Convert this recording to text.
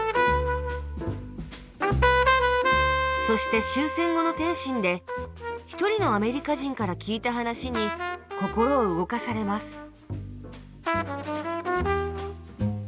そして終戦後の天津で一人のアメリカ人から聞いた話に心を動かされます